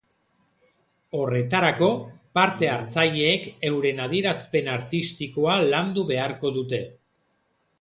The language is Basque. Horretarako, parte hartzaileek euren adierazpen artistikoa landu beharko dute.